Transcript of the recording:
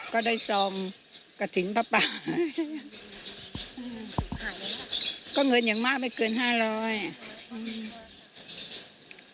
ก็ได้ซองกระถิ่งป้าก็เงินอย่างมากไปเกิน๕๐๐บาท